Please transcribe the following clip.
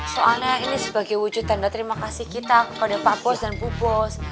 soalnya ini sebagai wujud tanda terima kasih kita kepada pak bos dan bu bos